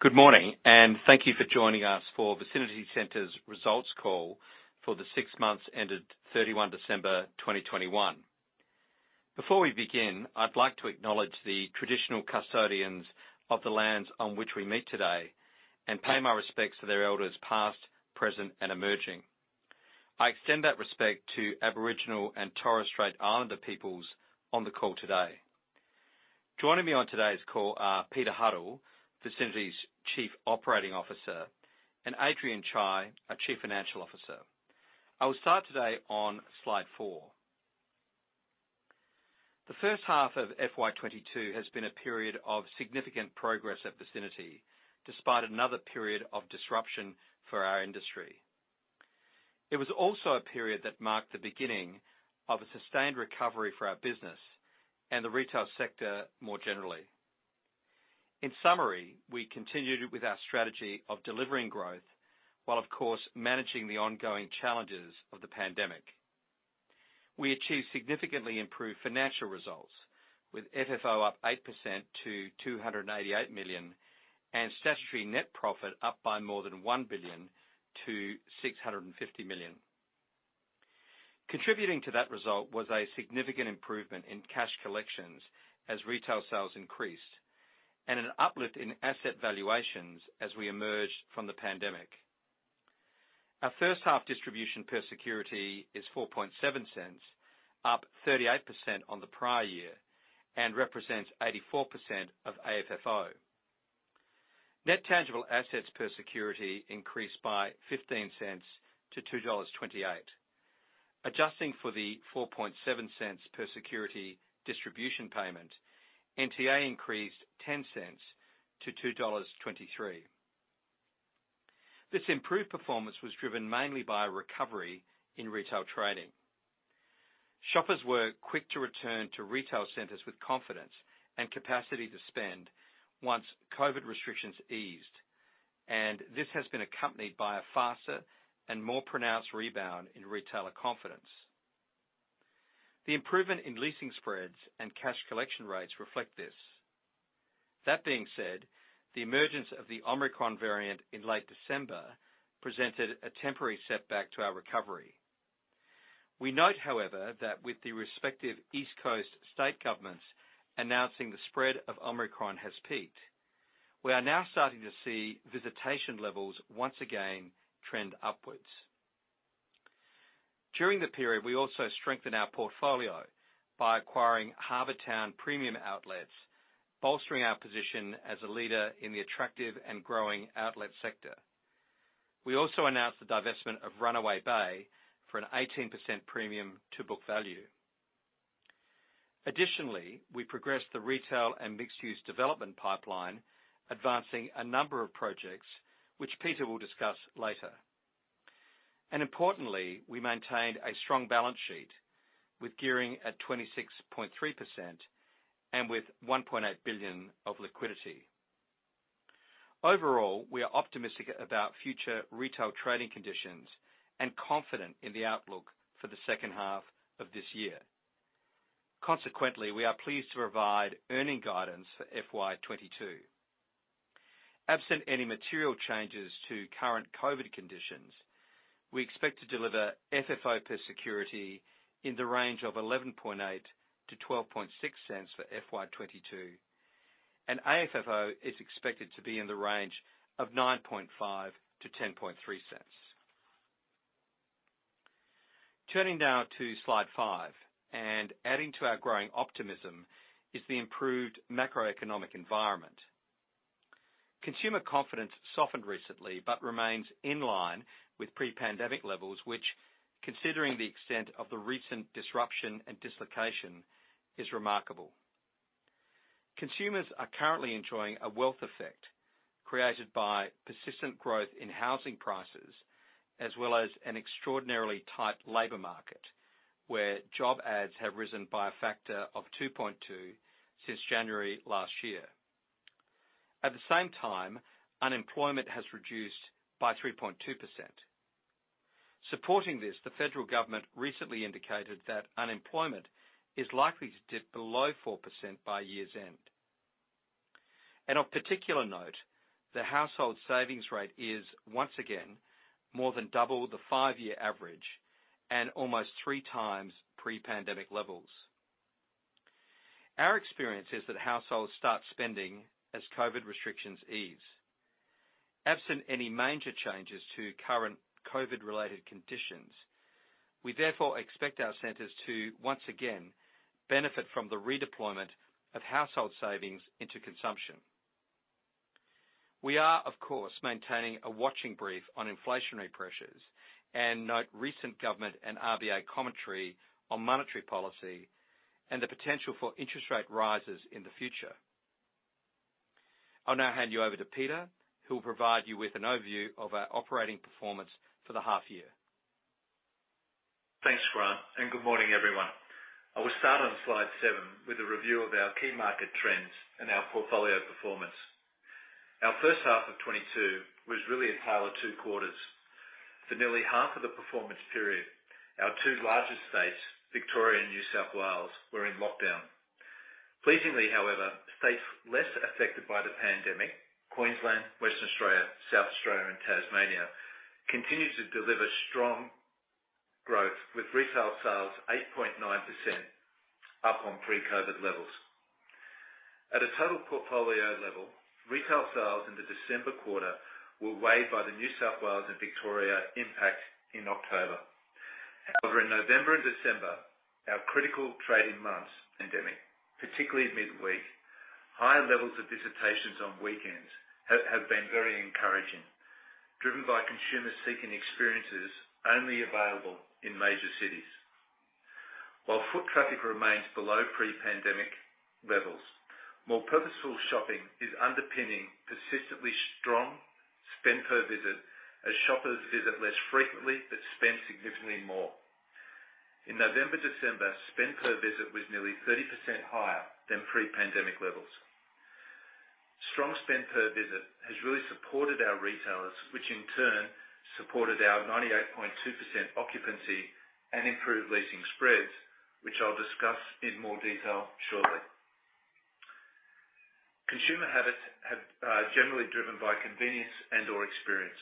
Good morning, and thank you for joining us for Vicinity Centres' results call for the six months ended 31 December 2021. Before we begin, I'd like to acknowledge the traditional custodians of the lands on which we meet today and pay my respects to their elders past, present, and emerging. I extend that respect to Aboriginal and Torres Strait Islander peoples on the call today. Joining me on today's call are Peter Huddle, Vicinity's Chief Operating Officer, and Adrian Chye, our Chief Financial Officer. I will start today on slide four. The first half of FY 2022 has been a period of significant progress at Vicinity, despite another period of disruption for our industry. It was also a period that marked the beginning of a sustained recovery for our business and the retail sector more generally. In summary, we continued with our strategy of delivering growth while, of course, managing the ongoing challenges of the pandemic. We achieved significantly improved financial results with FFO up 8% to 288 million and statutory net profit up by more than 1 billion-650 million. Contributing to that result was a significant improvement in cash collections as retail sales increased and an uplift in asset valuations as we emerged from the pandemic. Our first half distribution per security is 0.047, up 38% on the prior year and represents 84% of AFFO. Net tangible assets per security increased by 0.15-2.28 dollars. Adjusting for the 0.047 per security distribution payment, NTA increased 0.10-2.23 dollars. This improved performance was driven mainly by a recovery in retail trading. Shoppers were quick to return to retail centers with confidence and capacity to spend once COVID restrictions eased, and this has been accompanied by a faster and more pronounced rebound in retailer confidence. The improvement in leasing spreads and cash collection rates reflect this. That being said, the emergence of the Omicron variant in late December presented a temporary setback to our recovery. We note, however, that with the respective East Coast state governments announcing the spread of Omicron has peaked, we are now starting to see visitation levels once again trend upwards. During the period, we also strengthened our portfolio by acquiring Harbour Town Premium Outlets, bolstering our position as a leader in the attractive and growing outlet sector. We also announced the divestment of Runaway Bay for an 18% premium to book value. Additionally, we progressed the retail and mixed-use development pipeline, advancing a number of projects which Peter will discuss later. Importantly, we maintained a strong balance sheet with gearing at 26.3% and with 1.8 billion of liquidity. Overall, we are optimistic about future retail trading conditions and confident in the outlook for the second half of this year. Consequently, we are pleased to provide earnings guidance for FY 2022. Absent any material changes to current COVID conditions, we expect to deliver FFO per security in the range of 0.118-0.126 for FY 2022, and AFFO is expected to be in the range of 0.095-0.103. Turning now to slide five, adding to our growing optimism is the improved macroeconomic environment. Consumer confidence softened recently, but remains in line with pre-pandemic levels, which considering the extent of the recent disruption and dislocation, is remarkable. Consumers are currently enjoying a wealth effect created by persistent growth in housing prices, as well as an extraordinarily tight labor market where job ads have risen by a factor of 2.2% since January last year. At the same time, unemployment has reduced by 3.2%. Supporting this, the federal government recently indicated that unemployment is likely to dip below 4% by year's end. Of particular note, the household savings rate is once again more than double the five-year average and almost three times pre-pandemic levels. Our experience is that households start spending as COVID restrictions ease. Absent any major changes to current COVID-related conditions, we therefore expect our centers to once again benefit from the redeployment of household savings into consumption. We are, of course, maintaining a watching brief on inflationary pressures and note recent government and RBA commentary on monetary policy and the potential for interest rate rises in the future. I'll now hand you over to Peter, who will provide you with an overview of our operating performance for the half year. Thanks, Grant. Good morning, everyone. I will start on slide seven with a review of our key market trends and our portfolio performance. Our first half of 2022 was really a tale of two quarters. For nearly half of the performance period, our two largest states, Victoria and New South Wales, were in lockdown. Pleasingly, however, states less affected by the pandemic, Queensland, Western Australia, South Australia, and Tasmania, continued to deliver strong growth, with retail sales 8.9% up on pre-COVID levels. At a total portfolio level, retail sales in the December quarter were weighed by the New South Wales and Victoria impact in October. However, in November and December, our critical trading months in stemming, particularly midweek, higher levels of visitations on weekends have been very encouraging, driven by consumers seeking experiences only available in major cities. While foot traffic remains below pre-pandemic levels, more purposeful shopping is underpinning persistently strong spend per visit as shoppers visit less frequently but spend significantly more. In November and December, spend per visit was nearly 30% higher than pre-pandemic levels. Strong spend per visit has really supported our retailers, which in turn supported our 98.2% occupancy and improved leasing spreads, which I'll discuss in more detail shortly. Consumer habits have generally been driven by convenience and/or experience.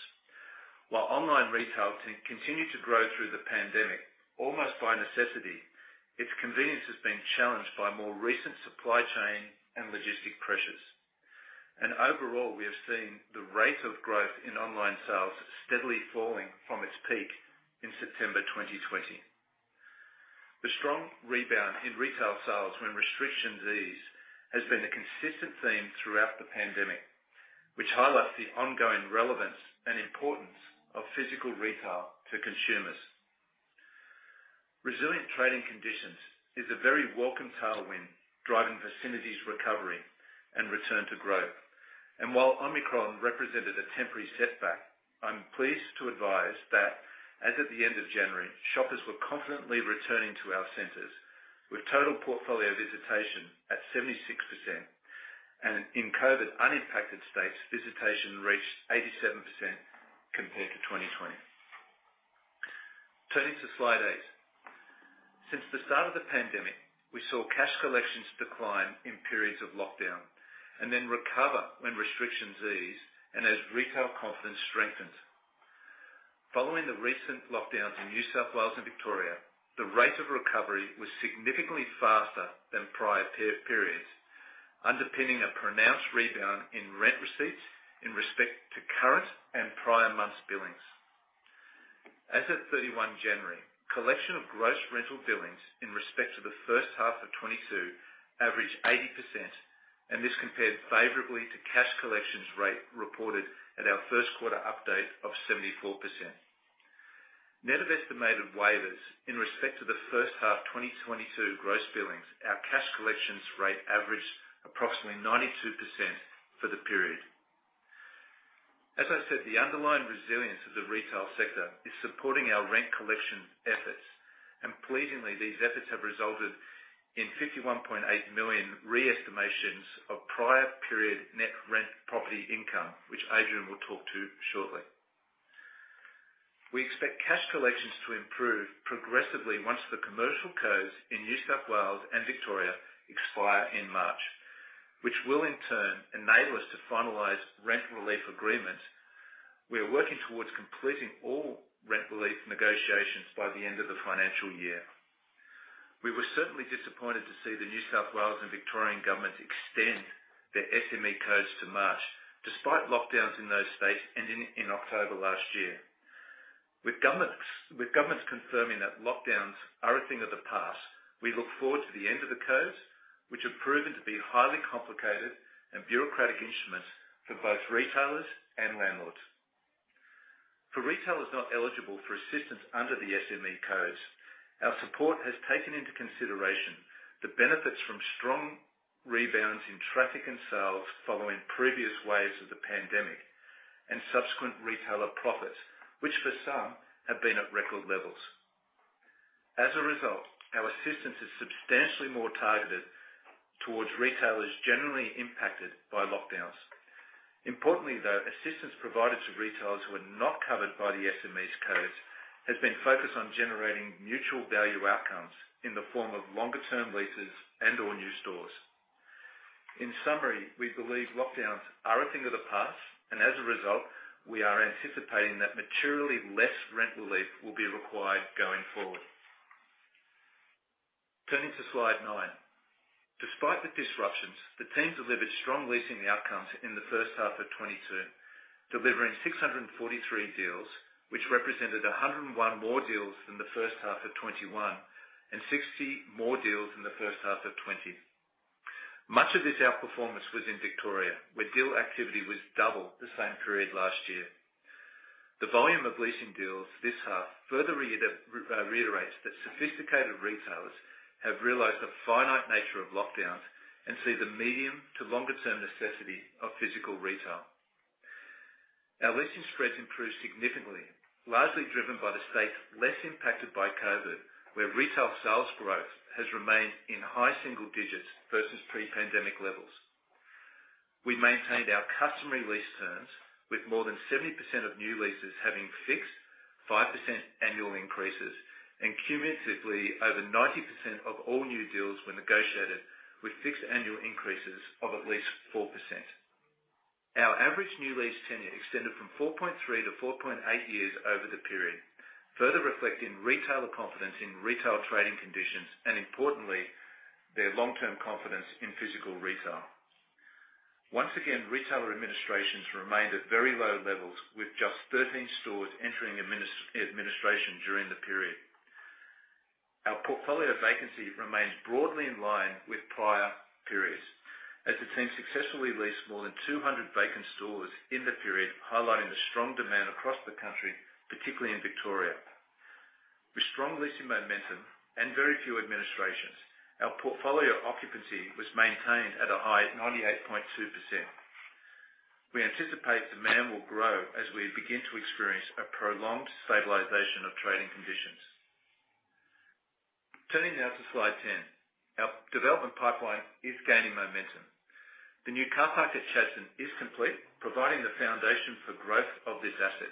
While online retail continued to grow through the pandemic, almost by necessity, its convenience has been challenged by more recent supply chain and logistics pressures. Overall, we have seen the rate of growth in online sales steadily falling from its peak in September 2020. The strong rebound in retail sales when restrictions eased has been a consistent theme throughout the pandemic, which highlights the ongoing relevance and importance of physical retail to consumers. Resilient trading conditions is a very welcome tailwind, driving Vicinity's recovery and return to growth. While Omicron represented a temporary setback, I'm pleased to advise that as of the end of January, shoppers were confidently returning to our centers with total portfolio visitation at 76% and in COVID unimpacted states, visitation reached 87% compared to 2020. Turning to slide eight. Since the start of the pandemic, we saw cash collections decline in periods of lockdown and then recover when restrictions eased and as retail confidence strengthens. Following the recent lockdowns in New South Wales and Victoria, the rate of recovery was significantly faster than prior periods, underpinning a pronounced rebound in rent receipts in respect to current and prior months' billings. As of 31 January, collection of gross rental billings in respect to the first half of 2022 averaged 80%, and this compared favorably to cash collections rate reported at our first quarter update of 74%. Net of estimated waivers in respect to the first half 2022 gross billings, our cash collections rate averaged approximately 92% for the period. As I said, the underlying resilience of the retail sector is supporting our rent collection efforts, and pleasingly, these efforts have resulted in 51.8 million reinstatements of prior period net rent property income, which Adrian will talk to shortly. We expect cash collections to improve progressively once the commercial codes in New South Wales and Victoria expire in March, which will in turn enable us to finalize rent relief agreements. We are working towards completing all rent relief negotiations by the end of the financial year. We were certainly disappointed to see the New South Wales and Victorian government extend their SME codes to March, despite lockdowns in those states ending in October last year. With governments confirming that lockdowns are a thing of the past, we look forward to the end of the codes, which have proven to be highly complicated and bureaucratic instruments for both retailers and landlords. For retailers not eligible for assistance under the SME codes, our support has taken into consideration the benefits from strong rebounds in traffic and sales following previous waves of the pandemic and subsequent retailer profits, which for some have been at record levels. As a result, our assistance is substantially more targeted towards retailers generally impacted by lockdowns. Importantly, though, assistance provided to retailers who are not covered by the SME codes has been focused on generating mutual value outcomes in the form of longer term leases and/or new stores. In summary, we believe lockdowns are a thing of the past, and as a result, we are anticipating that materially less rent relief will be required going forward. Turning to slide nine. Despite the disruptions, the team delivered strong leasing outcomes in the first half of 2022, delivering 643 deals, which represented 101 more deals than the first half of 2021 and 60 more deals than the first half of 2020. Much of this outperformance was in Victoria, where deal activity was double the same period last year. The volume of leasing deals this half further reiterates that sophisticated retailers have realized the finite nature of lockdowns and see the medium- to long-term necessity of physical retail. Our leasing spreads improved significantly, largely driven by the states less impacted by COVID, where retail sales growth has remained in high single digits versus pre-pandemic levels. We maintained our customary lease terms with more than 70% of new leases having fixed 5% annual increases, and cumulatively over 90% of all new deals were negotiated with fixed annual increases of at least 4%. Our average new lease tenure extended from 4.3-4.8 years over the period, further reflecting retailer confidence in retail trading conditions and importantly, their long-term confidence in physical retail. Once again, retailer administrations remained at very low levels, with just 13 stores entering administration during the period. Our portfolio vacancy remains broadly in line with prior periods as the team successfully leased more than 200 vacant stores in the period, highlighting the strong demand across the country, particularly in Victoria. With strong leasing momentum and very few administrations, our portfolio occupancy was maintained at a high of 98.2%. We anticipate demand will grow as we begin to experience a prolonged stabilization of trading conditions. Turning now to slide 10. Our development pipeline is gaining momentum. The new car park at Chadstone is complete, providing the foundation for growth of this asset.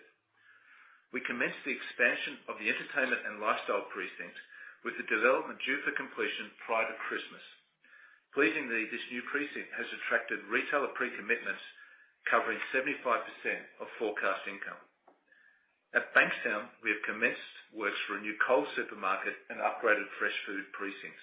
We commenced the expansion of the entertainment and lifestyle precincts with the development due for completion prior to Christmas. Pleasingly, this new precinct has attracted retailer pre-commitments covering 75% of forecast income. At Bankstown, we have commenced works for a new Coles supermarket and upgraded fresh food precincts.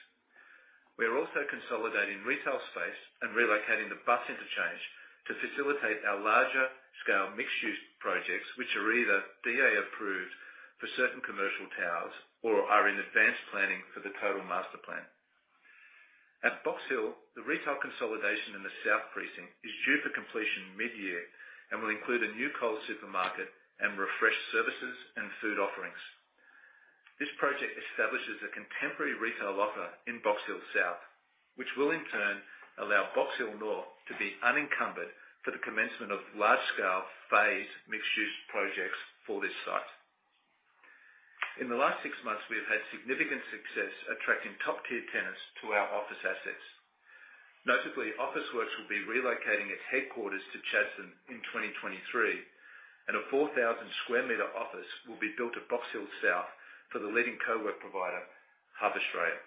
We are also consolidating retail space and relocating the bus interchange to facilitate our larger scale mixed-use projects, which are either DA approved for certain commercial towers or are in advanced planning for the total master plan. At Box Hill, the retail consolidation in the south precinct is due for completion mid-year and will include a new Coles supermarket and refreshed services and food offerings. This project establishes a contemporary retail offer in Box Hill South, which will in turn allow Box Hill North to be unencumbered for the commencement of large-scale phased mixed-use projects for this site. In the last six months, we have had significant success attracting top-tier tenants to our office assets. Notably, Officeworks will be relocating its headquarters to Chadstone in 2023, and a 4,000 sq m office will be built at Box Hill South for the leading coworking provider, Hub Australia.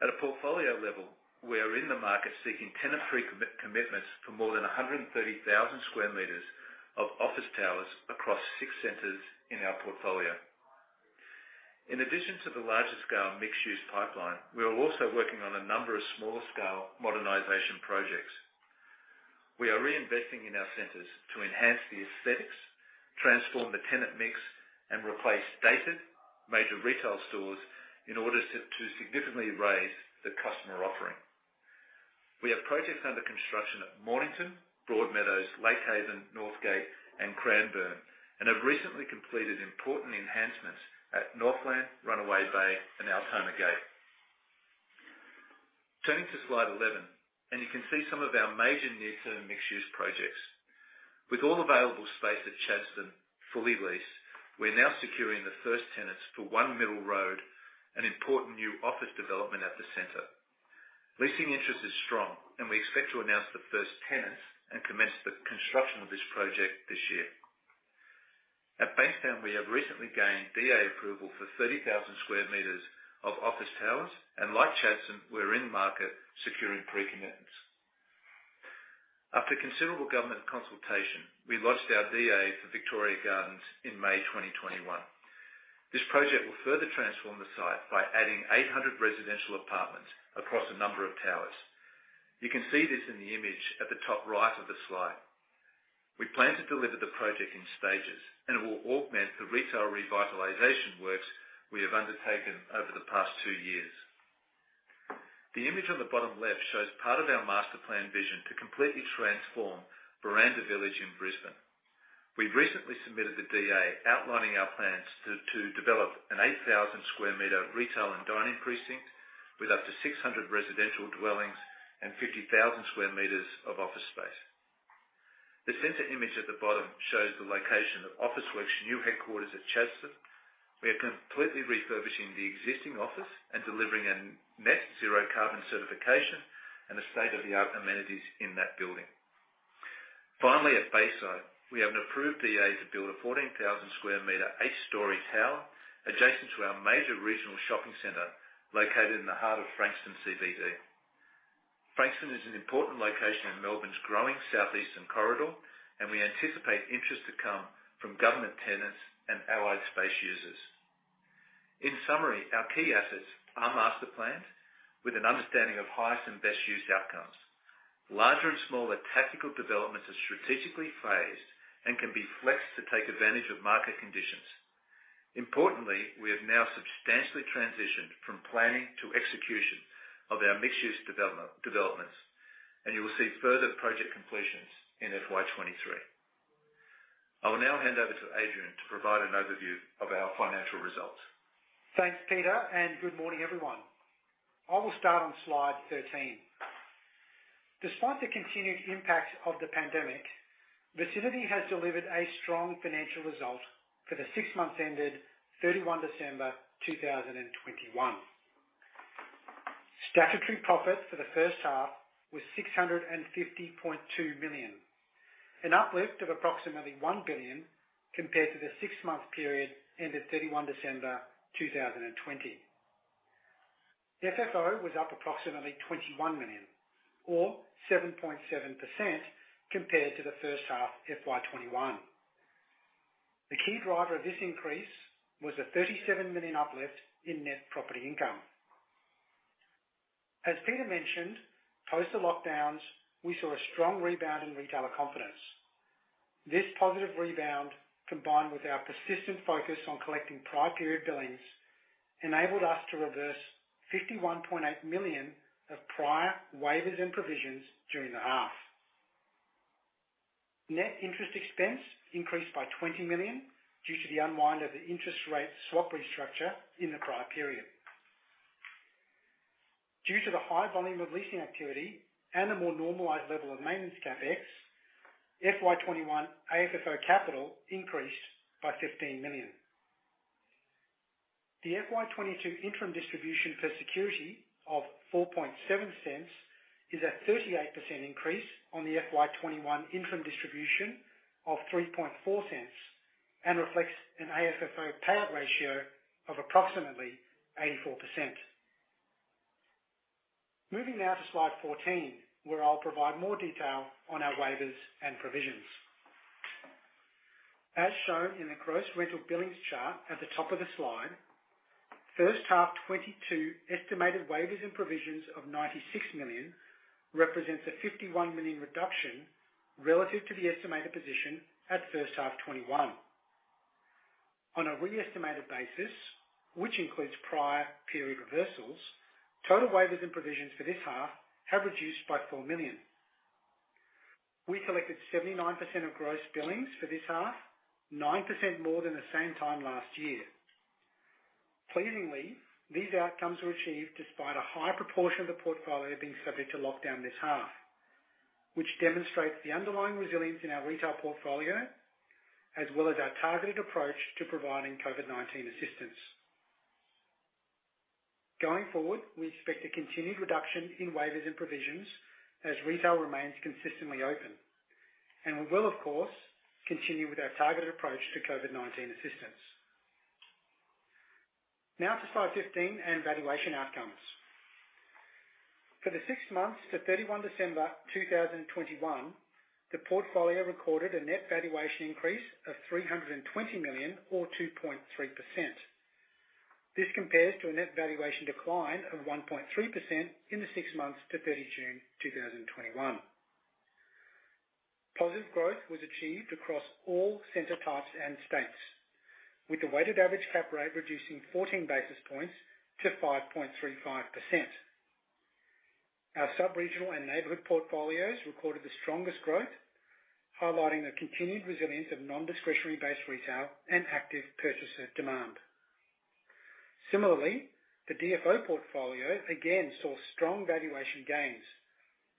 At a portfolio level, we are in the market seeking tenant pre-commitments for more than 130,000 sq m of office towers across six centers in our portfolio. In addition to the larger scale mixed-use pipeline, we are also working on a number of smaller scale modernization projects. We are reinvesting in our centers to enhance the aesthetics, transform the tenant mix, and replace dated major retail stores in order to significantly raise the customer offering. We have projects under construction at Mornington, Broadmeadows, Lake Haven, Northgate, and Cranbourne, and have recently completed important enhancements at Northland, Runaway Bay, and Altona Gate. Turning to slide 11, you can see some of our major near-term mixed-use projects. With all available space at Chadstone fully leased, we're now securing the first tenants for One Middle Road, an important new office development at the center. Leasing interest is strong, and we expect to announce the first tenants and commence the construction of this project this year. At Bankstown, we have recently gained DA approval for 30,000 sq m of office towers, and like Chadstone, we're in market securing pre-commitments. After considerable government consultation, we lodged our DA for Victoria Gardens in May 2021. This project will further transform the site by adding 800 residential apartments across a number of towers. You can see this in the image at the top right of the slide. We plan to deliver the project in stages, and it will augment the retail revitalization works we have undertaken over the past two years. The image on the bottom left shows part of our master plan vision to completely transform Buranda Village in Brisbane. We've recently submitted the DA outlining our plans to develop an 8,000 sq m retail and dining precinct with up to 600 residential dwellings and 50,000 sq m of office space. The center image at the bottom shows the location of Officeworks's new headquarters at Chadstone. We are completely refurbishing the existing office and delivering a Net Zero Carbon Certification and state-of-the-art amenities in that building. Finally, at Bayside, we have an approved DA to build a 14,000 sq m eight-story tower adjacent to our major regional shopping center located in the heart of Frankston CBD. Frankston is an important location in Melbourne's growing southeastern corridor, and we anticipate interest to come from government tenants and allied space users. In summary, our key assets are master planned with an understanding of highest and best use outcomes. Larger and smaller tactical developments are strategically phased and can be flexed to take advantage of market conditions. Importantly, we have now substantially transitioned from planning to execution of our mixed-use developments, and you will see further project completions in FY 2023. I will now hand over to Adrian to provide an overview of our financial results. Thanks, Peter, and good morning, everyone. I will start on slide 13. Despite the continued impact of the pandemic, Vicinity has delivered a strong financial result for the six months ended 31 December 2021. Statutory profit for the first half was 650.2 million, an uplift of approximately 1 billion compared to the six-month period ended 31 December 2020. The FFO was up approximately 21 million or 7.7% compared to the first half FY 2021. The key driver of this increase was a 37 million uplift in net property income. As Peter mentioned, post the lockdowns, we saw a strong rebound in retailer confidence. This positive rebound, combined with our persistent focus on collecting prior period billings, enabled us to reverse 51.8 million of prior waivers and provisions during the half. Net interest expense increased by 20 million due to the unwind of the interest rate swap restructure in the prior period. Due to the high volume of leasing activity and a more normalized level of maintenance CapEx, FY 2021 AFFO capital increased by 15 million. The FY 2022 interim distribution per security of 0.047 is a 38% increase on the FY 2021 interim distribution of 0.034 and reflects an AFFO payout ratio of approximately 84%. Moving now to slide 14, where I'll provide more detail on our waivers and provisions. As shown in the gross rental billings chart at the top of the slide, first half 2022 estimated waivers and provisions of 96 million represents a 51 million reduction relative to the estimated position at first half 2021. On a re-estimated basis, which includes prior period reversals, total waivers and provisions for this half have reduced by 4 million. We collected 79% of gross billings for this half, 9% more than the same time last year. Pleasingly, these outcomes were achieved despite a high proportion of the portfolio being subject to lockdown this half, which demonstrates the underlying resilience in our retail portfolio, as well as our targeted approach to providing COVID-19 assistance. Going forward, we expect a continued reduction in waivers and provisions as retail remains consistently open, and we will, of course, continue with our targeted approach to COVID-19 assistance. Now to slide 15 and valuation outcomes. For the six months to 31 December 2021, the portfolio recorded a net valuation increase of 320 million or 2.3%. This compares to a net valuation decline of 1.3% in the six months to 30 June 2021. Positive growth was achieved across all center types and states, with the weighted average cap rate reducing 14 basis points to 5.35%. Our subregional and neighborhood portfolios recorded the strongest growth, highlighting the continued resilience of non-discretionary based retail and active purchaser demand. Similarly, the DFO portfolio again saw strong valuation gains,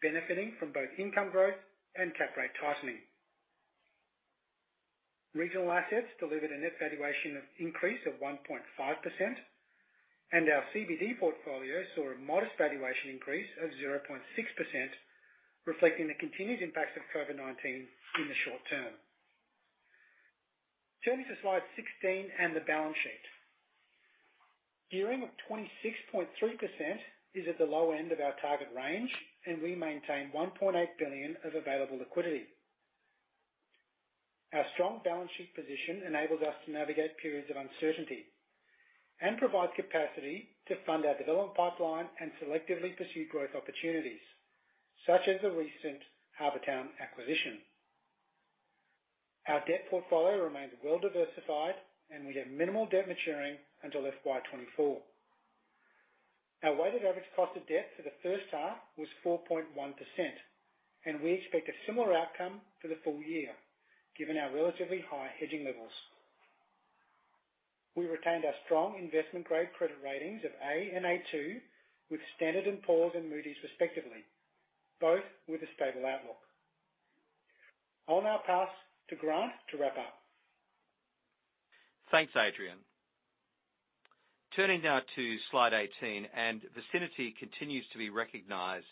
benefiting from both income growth and cap rate tightening. Regional assets delivered a net valuation increase of 1.5%, and our CBD portfolio saw a modest valuation increase of 0.6%, reflecting the continued impacts of COVID-19 in the short term. Turning to slide 16 and the balance sheet. Gearing of 26.3% is at the low end of our target range, and we maintain 1.8 billion of available liquidity. Our strong balance sheet position enables us to navigate periods of uncertainty and provides capacity to fund our development pipeline and selectively pursue growth opportunities, such as the recent Harbour Town acquisition. Our debt portfolio remains well-diversified, and we have minimal debt maturing until FY 2024. Our weighted average cost of debt for the first half was 4.1%, and we expect a similar outcome for the full year given our relatively high hedging levels. We retained our strong investment-grade credit ratings of A and A2 with Standard & Poor's and Moody's respectively, both with a stable outlook. I'll now pass to Grant to wrap up. Thanks, Adrian. Turning now to slide 18. Vicinity continues to be recognized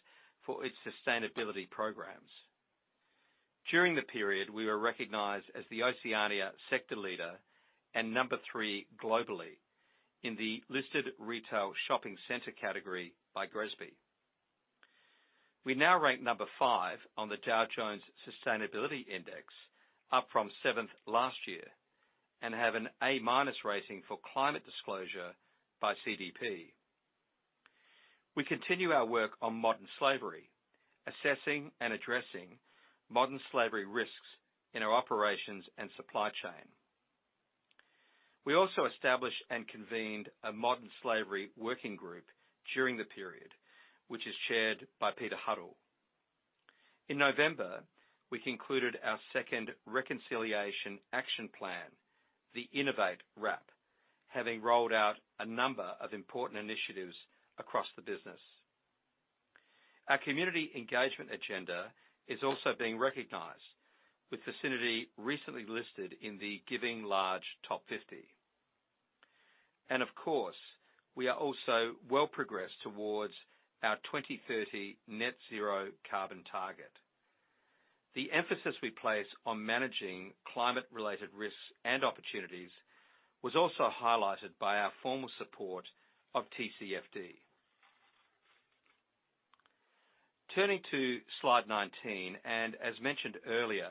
for its sustainability programs. During the period, we were recognized as the Oceania sector leader and number three globally in the listed retail shopping center category by GRESB. We now rank number five on the Dow Jones Sustainability Index, up from 7th last year, and have an A- rating for climate disclosure by CDP. We continue our work on modern slavery, assessing and addressing modern slavery risks in our operations and supply chain. We also established and convened a modern slavery working group during the period, which is chaired by Peter Huddle. In November, we concluded our second Reconciliation Action Plan, the Innovate RAP, having rolled out a number of important initiatives across the business. Our community engagement agenda is also being recognized with Vicinity recently listed in the Giving Large top 50. Of course, we are also well progressed towards our 2030 net zero carbon target. The emphasis we place on managing climate-related risks and opportunities was also highlighted by our formal support of TCFD. Turning to slide 19, as mentioned earlier,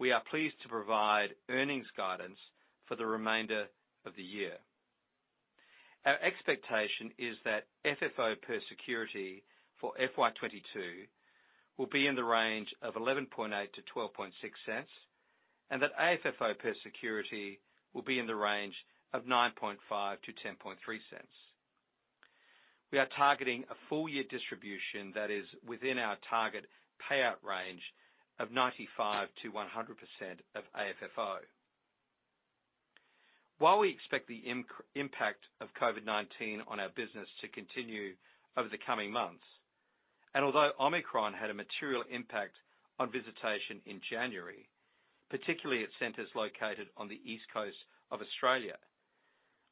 we are pleased to provide earnings guidance for the remainder of the year. Our expectation is that FFO per security for FY 2022 will be in the range of 0.118-0.126, and that AFFO per security will be in the range of 0.095-0.103. We are targeting a full year distribution that is within our target payout range of 95%-100% of AFFO. While we expect the ongoing impact of COVID-19 on our business to continue over the coming months, and although Omicron had a material impact on visitation in January, particularly at centers located on the East Coast of Australia,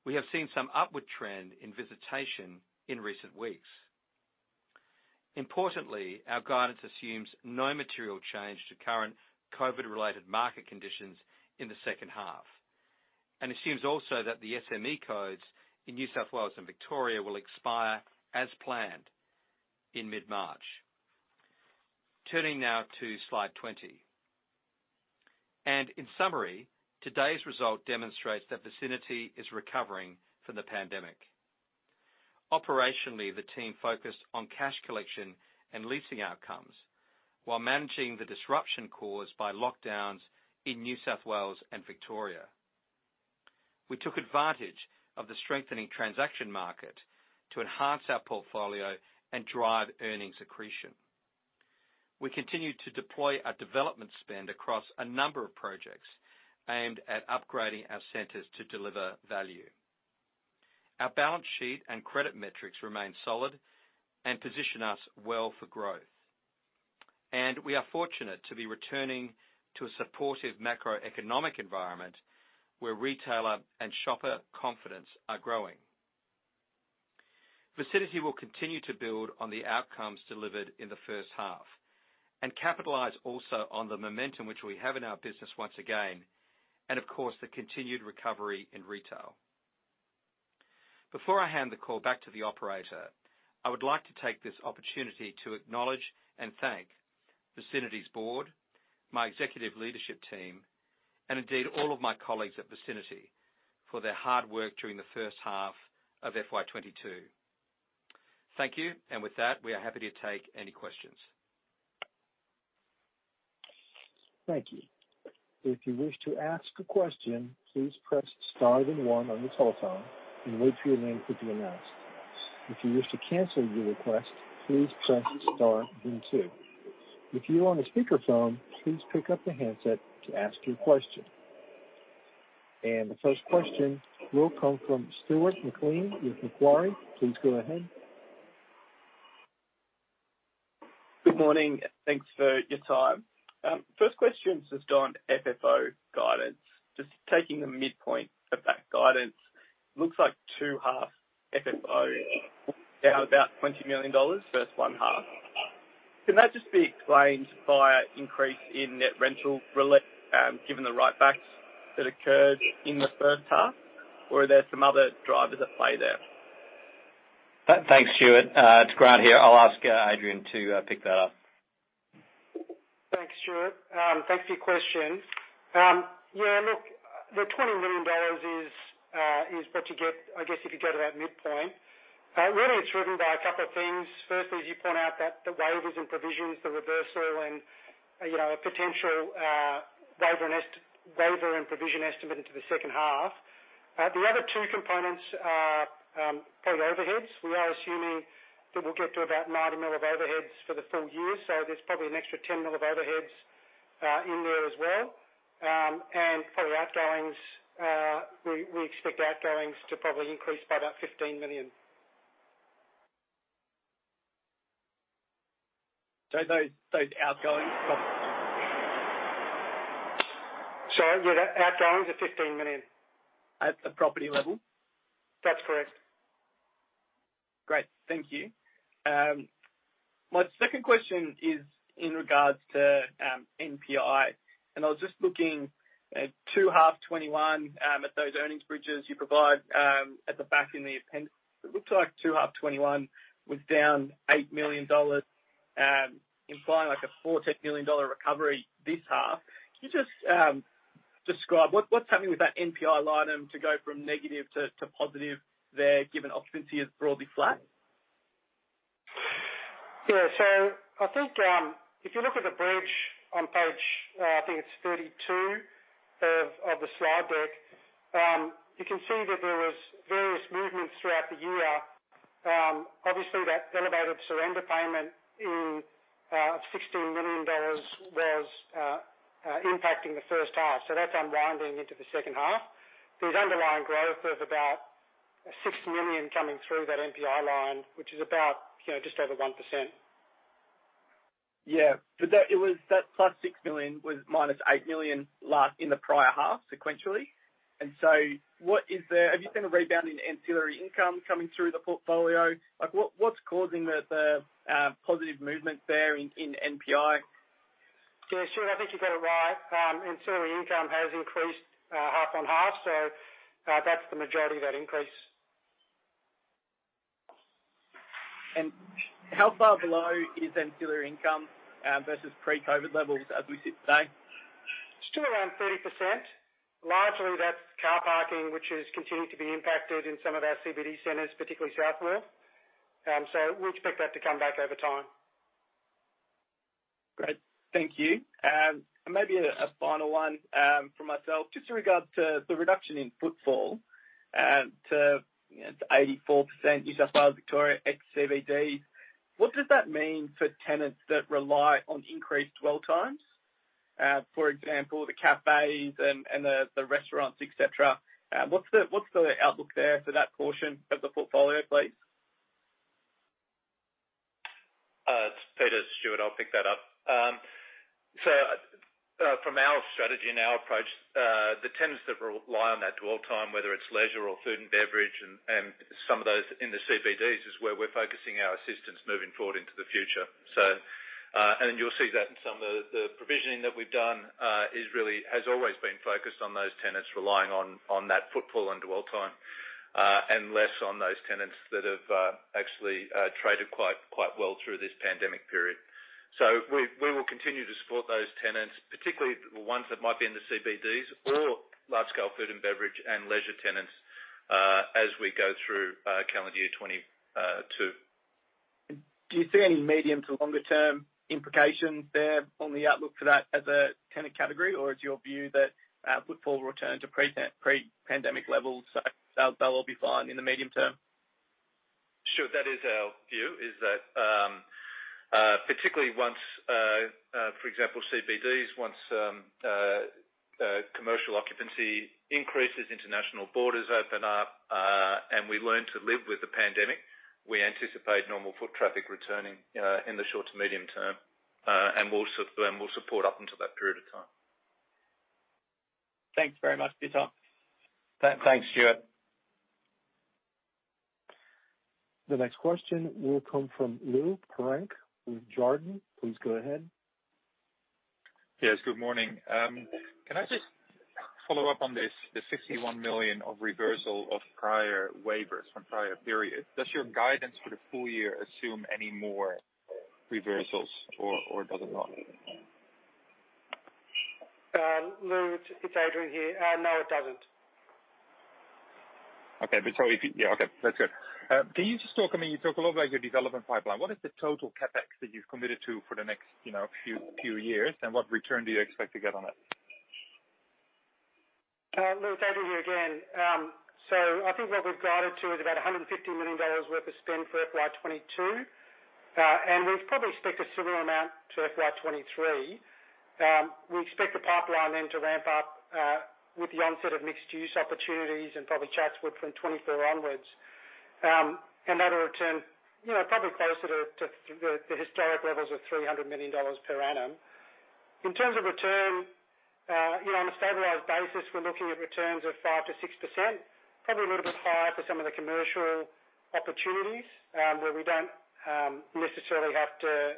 we have seen some upward trend in visitation in recent weeks. Importantly, our guidance assumes no material change to current COVID-related market conditions in the second half, and assumes also that the SME codes in New South Wales and Victoria will expire as planned in mid-March. Turning now to slide 20. In summary, today's result demonstrates that Vicinity is recovering from the pandemic. Operationally, the team focused on cash collection and leasing outcomes while managing the disruption caused by lockdowns in New South Wales and Victoria. We took advantage of the strengthening transaction market to enhance our portfolio and drive earnings accretion. We continued to deploy our development spend across a number of projects aimed at upgrading our centers to deliver value. Our balance sheet and credit metrics remain solid and position us well for growth. We are fortunate to be returning to a supportive macroeconomic environment where retailer and shopper confidence are growing. Vicinity will continue to build on the outcomes delivered in the first half and capitalize also on the momentum which we have in our business once again and of course, the continued recovery in retail. Before I hand the call back to the operator, I would like to take this opportunity to acknowledge and thank Vicinity's board, my executive leadership team, and indeed all of my colleagues at Vicinity for their hard work during the first half of FY 2022. Thank you. With that, we are happy to take any questions. The first question will come from Stuart McLean with Macquarie. Please go ahead. Good morning. Thanks for your time. First question is on FFO guidance. Just taking the midpoint of that guidance, looks like 2H FFO down about 20 million dollars versus 1H. Can that just be explained via increase in net rental reletting, given the write-backs that occurred in the first half? Or are there some other drivers at play there? Thanks, Stuart. It's Grant here. I'll ask Adrian to pick that up. Thanks, Stuart. Thanks for your question. Yeah, look, the 20 million dollars is what you get, I guess, if you go to that midpoint. Really, it's driven by a couple of things. Firstly, as you point out that the waivers and provisions, the reversal and, you know, a potential waiver and provision estimate into the second half. The other two components are probably overheads. We are assuming that we'll get to about 90 million of overheads for the full year. So there's probably an extra 10 million of overheads in there as well. For the outgoings, we expect outgoings to probably increase by about 15 million. Those outgoings? Sorry. Yeah. Outgoings are 15 million. At the property level? That's correct. Great. Thank you. My second question is in regards to NPI. I was just looking at 2H 2021 at those earnings bridges you provide at the back in the appendix. It looked like 2H 2021 was down 8 million dollars, implying like a 4 million-8 million dollar recovery this half. Can you just describe what's happening with that NPI line item to go from negative to positive there, given occupancy is broadly flat? Yeah. I think if you look at the bridge on page, I think it's 32 of the slide deck, you can see that there was various movements throughout the year. Obviously, that elevated surrender payment in 16 million dollars was impacting the first half, so that's unwinding into the second half. There's underlying growth of about a 6 million coming through that NPI line, which is about, you know, just over 1%. It was that plus 6 million was minus 8 million last in the prior half sequentially. What is the- Yeah. Have you seen a rebound in ancillary income coming through the portfolio? Like, what's causing the positive movement there in NPI? Yeah, Stuart, I think you've got it right. Ancillary income has increased half on half. That's the majority of that increase. How far below is ancillary income versus pre-COVID levels as we sit today? Still around 30%. Largely that's car parking, which has continued to be impacted in some of our CBD centers, particularly [New South Wales]. We expect that to come back over time. Great. Thank you. Maybe a final one from myself, just in regards to the reduction in footfall to 84% New South Wales, Victoria, ex-CBD. What does that mean for tenants that rely on increased dwell times? For example, the cafes and the restaurants, et cetera. What's the outlook there for that portion of the portfolio, please? It's Peter, Stuart. I'll pick that up. From our strategy and our approach, the tenants that rely on that dwell time, whether it's leisure or food and beverage and some of those in the CBDs is where we're focusing our assistance moving forward into the future. You'll see that in some of the provisioning that we've done is really has always been focused on those tenants relying on that footfall and dwell time, and less on those tenants that have actually traded quite well through this pandemic period. We will continue to support those tenants, particularly the ones that might be in the CBDs or large scale food and beverage and leisure tenants, as we go through calendar year 2022. Do you see any medium to longer term implications there on the outlook for that as a tenant category? Or is your view that footfall return to pre-pandemic levels, so they'll all be fine in the medium term? Sure. That is our view, that particularly once, for example, CBDs, commercial occupancy increases, international borders open up, and we learn to live with the pandemic, we anticipate normal foot traffic returning in the short to medium term. We'll support up until that period of time. Thanks very much, Peter. Thanks, Stuart. The next question will come from Lou Pirenc with Jarden. Please go ahead. Yes, good morning. Can I just follow up on this, the 61 million of reversal of prior waivers from prior periods? Does your guidance for the full year assume any more reversals or does it not? Lou, it's Adrian here. No, it doesn't. Can you just talk? I mean, you talk a lot about your development pipeline. What is the total CapEx that you've committed to for the next few years, and what return do you expect to get on it? Lou, it's Adrian here again. I think what we've guided to is about 150 million dollars worth of spend for FY 2022. We probably expect a similar amount to FY 2023. We expect the pipeline then to ramp up with the onset of mixed-use opportunities and probably Chadstone from 2024 onwards. That'll return, you know, probably closer to the historic levels of 300 million dollars per annum. In terms of return, you know, on a stabilized basis, we're looking at returns of 5%-6%, probably a little bit higher for some of the commercial opportunities, where we don't necessarily have to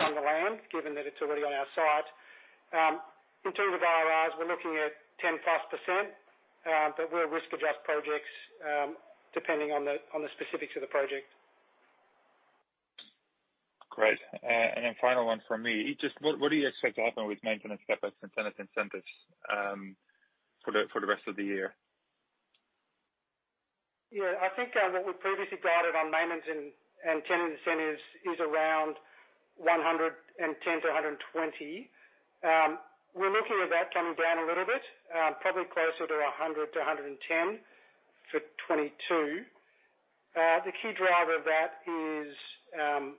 fund the land given that it's already on our site. In terms of IRRs, we're looking at 10%+, but for risk-adjusted projects, depending on the specifics of the project. Great. Final one from me. Just what do you expect to happen with maintenance CapEx and tenant incentives for the rest of the year? Yeah. I think what we previously guided on maintenance and tenant incentives is around 110-120. We're looking at that coming down a little bit, probably closer to 100-110 for 2022. The key driver of that is a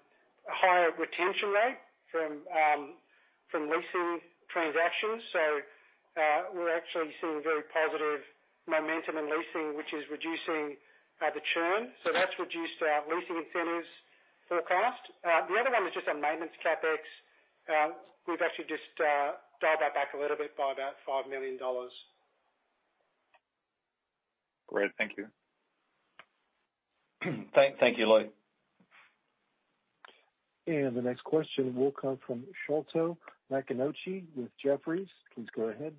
higher retention rate from leasing transactions. We're actually seeing very positive momentum in leasing, which is reducing the churn. That's reduced our leasing incentives forecast. The other one was just our maintenance CapEx. We've actually just dialed that back a little bit by about 5 million dollars. Great. Thank you. Thank you, Lou. The next question will come from Sholto Maconochie with Jefferies. Please go ahead.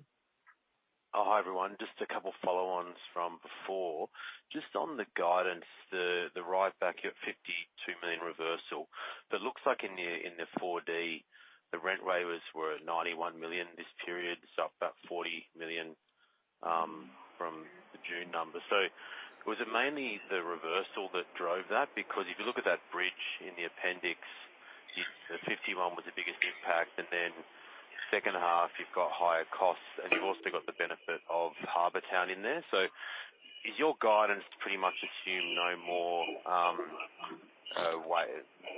Oh, hi, everyone. Just a couple follow-ons from before. Just on the guidance, the write back at 52 million reversal, but looks like in the Appendix 4D, the rent waivers were 91 million this period. It's up about 40 million from the June number. Was it mainly the reversal that drove that? Because if you look at that bridge in the appendix, the 51 was the biggest impact. Then second half, you've got higher costs, and you've also got the benefit of Harbour Town in there. Is your guidance to pretty much assume no more,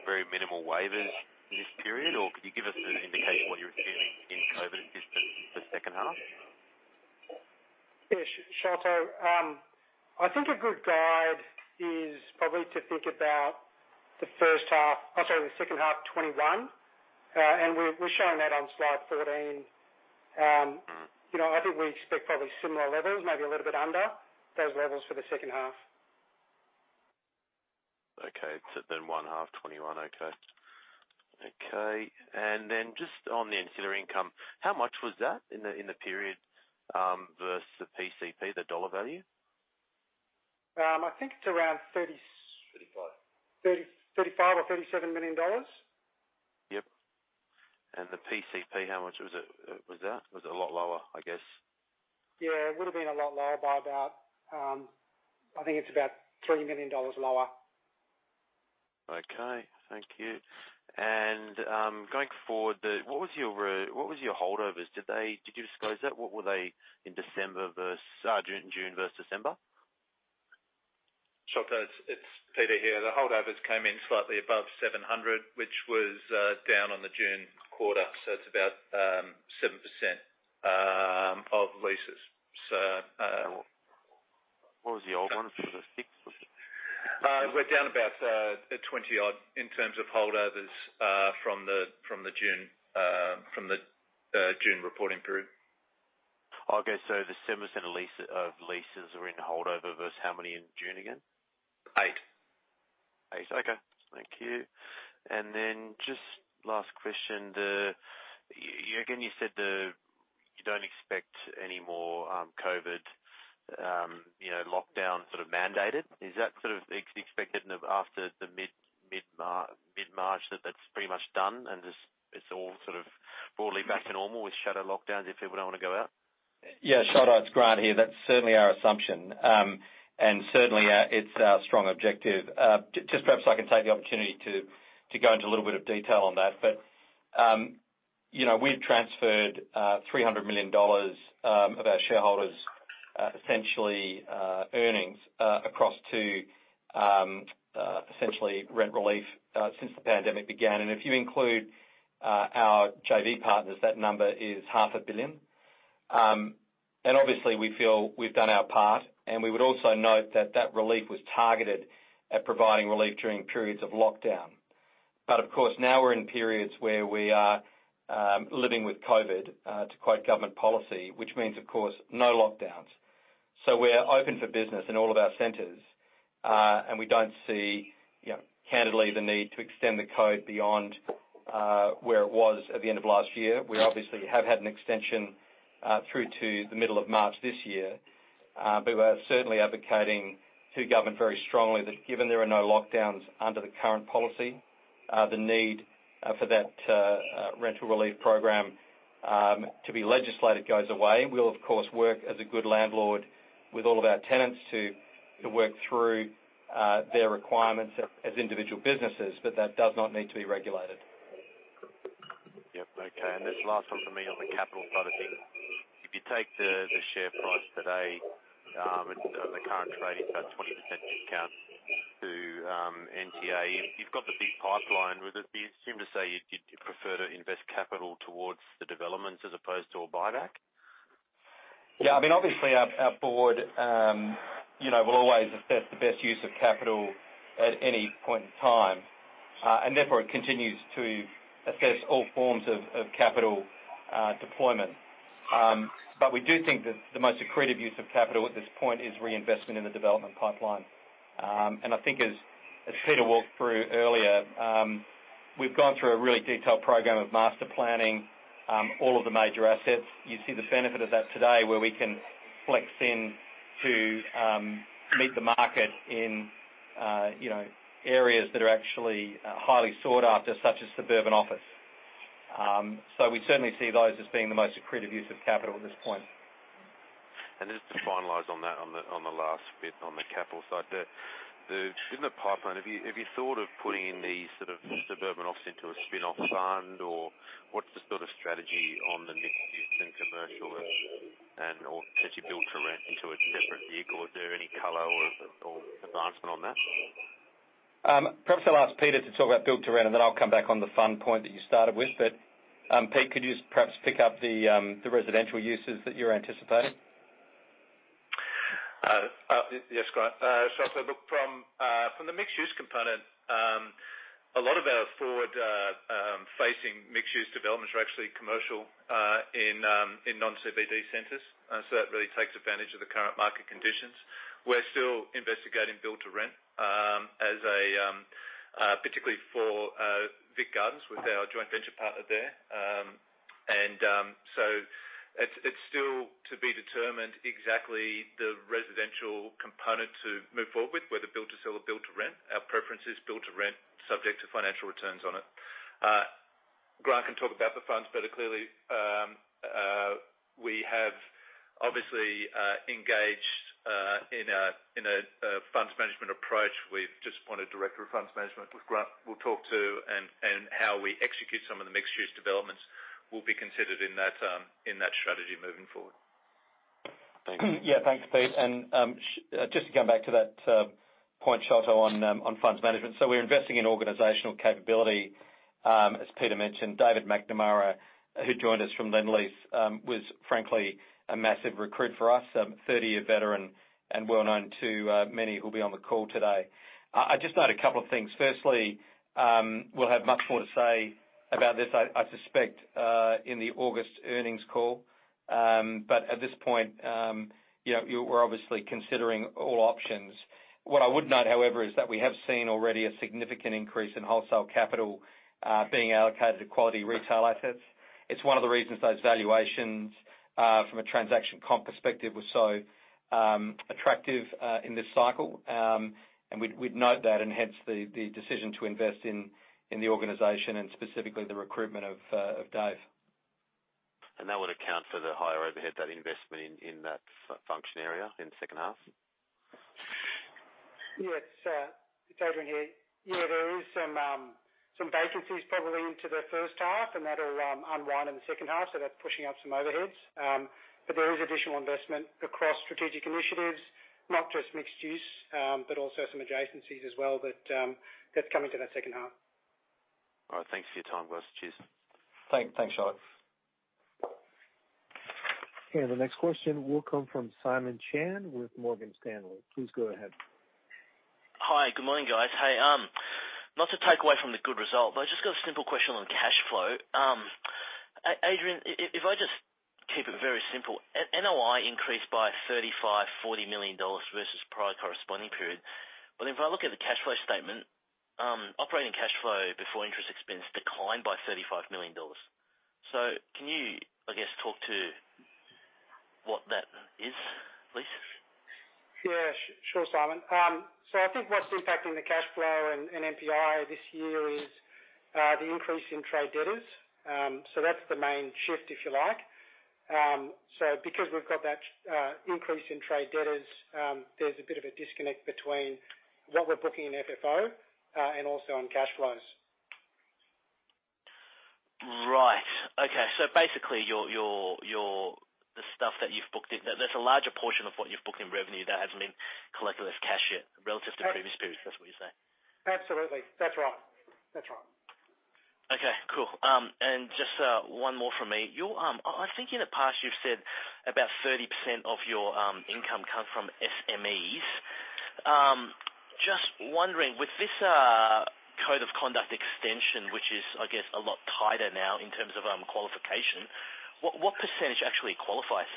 very minimal waivers in this period? Or could you give us an indication what you're assuming in COVID assistance for second half? Yeah, Sholto, I think a good guide is probably to think about the second half 2021. I'm sorry, we're showing that on slide fourteen. You know, I think we expect probably similar levels, maybe a little bit under those levels for the second half. 1H 2021. Just on the ancillary income, how much was that in the period versus the PCP, the dollar value? I think it's around 30s. 35. 30 million, 35 million or 37 million dollars. Yep. The PCP, how much was it? Was that a lot lower, I guess? Yeah, it would have been a lot lower by about, I think it's about 3 million dollars lower. Okay. Thank you. Going forward, what was your holdovers? Did you disclose that? What were they in December, June versus December? Sholto, it's Peter here. The holdovers came in slightly above 700, which was down on the June quarter. It's about 7% of leases. What was the old one? Was it six? We're down about 20-odd in terms of holdovers from the June reporting period. Okay. The 7% of leases are in holdover versus how many in June again? Eight. Eight. Okay. Thank you. Then just last question. You again, you said, you don't expect any more COVID, you know, lockdown sort of mandated. Is that sort of expected after the mid-March that that's pretty much done and just it's all sort of broadly back to normal with shadow lockdowns if people don't want to go out? Yeah. Sholto, it's Grant here. That's certainly our assumption. Certainly, it's our strong objective. Just perhaps I can take the opportunity to go into a little bit of detail on that. You know, we've transferred 300 million dollars of our shareholders' essentially earnings across to essentially rent relief since the pandemic began. If you include our JV partners, that number is half a billion. Obviously, we feel we've done our part, and we would also note that that relief was targeted at providing relief during periods of lockdown. Of course, now we're in periods where we are living with COVID to quote government policy, which means, of course, no lockdowns. We're open for business in all of our centers. We don't see, you know, candidly the need to extend the code beyond where it was at the end of last year. We obviously have had an extension through to the middle of March this year. We're certainly advocating to government very strongly that given there are no lockdowns under the current policy, the need for that rental relief program to be legislated goes away. We'll of course work as a good landlord with all of our tenants to work through their requirements as individual businesses, but that does not need to be regulated. Yep. Okay. This last one for me on the capital side of things. If you take the share price today and the current trading, about 20% discount to NTA, you've got the big pipeline. Would it be assumed to say you'd prefer to invest capital towards the developments as opposed to a buyback? Yeah. I mean, obviously our board, you know, will always assess the best use of capital at any point in time. Therefore, it continues to assess all forms of capital deployment. We do think that the most accretive use of capital at this point is reinvestment in the development pipeline. I think as Peter walked through earlier, we've gone through a really detailed program of master planning all of the major assets. You see the benefit of that today, where we can flex in to meet the market in, you know, areas that are actually highly sought after, such as suburban office. We certainly see those as being the most accretive use of capital at this point. Just to finalize on that, on the last bit on the capital side. In the pipeline, have you thought of putting the sort of suburban office into a spin-off fund? Or what's the sort of strategy on the mixed-use and commercial and/or potentially build-to-rent into a separate vehicle? Is there any color or advancement on that? Perhaps I'll ask Peter to talk about build to rent, and then I'll come back on the fund point that you started with. Pete, could you perhaps pick up the residential uses that you're anticipating? Yes, Grant. Sholto, look, from the mixed-use component, a lot of our forward-facing mixed-use developments are actually commercial in non-CBD centers. That really takes advantage of the current market conditions. We're still investigating build-to-rent as a particularly for Victoria Gardens with our joint venture partner there. It's still to be determined exactly the residential component to move forward with, whether build-to-sell or build-to-rent. Our preference is build-to-rent subject to financial returns on it. Grant can talk about the funds, but clearly, we have obviously engaged in a funds management approach. We've just appointed Director of Funds Management, which Grant will talk to, and how we execute some of the mixed-use developments will be considered in that strategy moving forward. Yeah, thanks, Pete. Just to come back to that point, Sholto, on funds management. We're investing in organizational capability, as Peter mentioned. David McNamara, who joined us from Lendlease, was frankly a massive recruit for us, 30-year veteran and well known to many who'll be on the call today. I'd just note a couple of things. Firstly, we'll have much more to say about this, I suspect, in the August earnings call. At this point, you know, we're obviously considering all options. What I would note, however, is that we have seen already a significant increase in wholesale capital being allocated to quality retail assets. It's one of the reasons those valuations from a transaction comp perspective were so attractive in this cycle. We'd note that and hence the decision to invest in the organization and specifically the recruitment of David. That would account for the higher overhead, that investment in that function area in the second half? Yeah, it's Adrian here. Yeah, there is some vacancies probably into the first half, and that'll unwind in the second half, so that's pushing up some overheads. There is additional investment across strategic initiatives, not just mixed use, but also some adjacencies as well that's coming to that second half. All right. Thanks for your time, guys. Cheers. Thanks, Sholto. The next question will come from Simon Chan with Morgan Stanley. Please go ahead. Hi. Good morning, guys. Hey, not to take away from the good result, but I just got a simple question on cash flow. Adrian, if I just keep it very simple, NOI increased by 35 million-40 million dollars versus prior corresponding period. If I look at the cash flow statement, operating cash flow before interest expense declined by 35 million dollars. Can you, I guess, talk to what that is, please? Sure, Simon. I think what's impacting the cash flow and NPI this year is the increase in trade debtors. That's the main shift, if you like. Because we've got that increase in trade debtors, there's a bit of a disconnect between what we're booking in FFO and also on cash flows. Right. Okay. Basically, your, the stuff that you've booked in, there's a larger portion of what you've booked in revenue that hasn't been collected as cash yet relative to previous periods. That's what you're saying. Absolutely. That's right. Okay, cool. Just one more from me. I think in the past you've said about 30% of your income come from SMEs. Just wondering, with this code of conduct extension, which is, I guess, a lot tighter now in terms of qualification, what percentage actually qualifies?